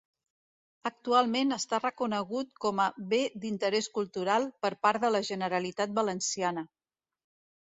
Actualment està reconegut com a Bé d'Interés Cultural per part de la Generalitat Valenciana.